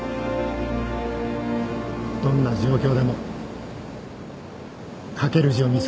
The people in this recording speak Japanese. どんな状況でも書ける字を見つけろ。